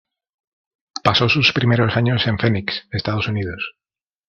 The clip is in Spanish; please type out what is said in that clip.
Pasó sus primeros años en Phoenix, Estados Unidos.